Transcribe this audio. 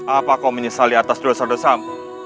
apa kau menyesali atas dosa dosamu